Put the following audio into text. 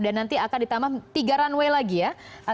dan nanti akan ditambah tiga runway lagi ya